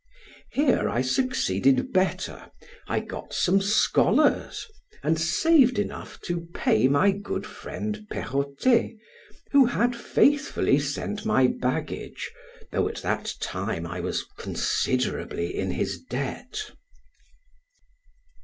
Here I succeeded better, I got some scholars, and saved enough to pay my good friend Perrotet, who had faithfully sent my baggage, though at that time I was considerably in his debt.